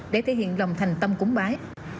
để thể hiện lòng thành tâm cúng bái